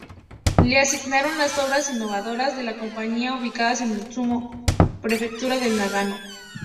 Le asignaron las obras innovadoras de la compañía, ubicadas en Matsumoto, Prefectura de Nagano.